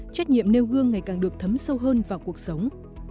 trách nhiệm nêu gương ngày càng được thấm sâu hơn vào cuộc sống